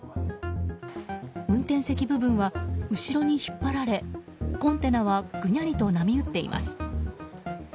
運転席部分は後ろに引っ張られコンテナはぐにゃりと波打っています。